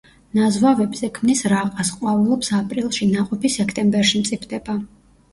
ნაზვავებზე ქმნის რაყას, ყვავილობს აპრილში, ნაყოფი სექტემბერში მწიფდება.